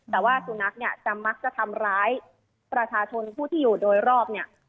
แต่ว่าสุนัขมักจะทำร้ายประชาชนผู้ที่อยู่โดยรอบ